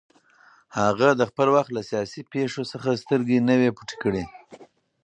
هغه د خپل وخت له سیاسي پېښو څخه سترګې نه وې پټې کړې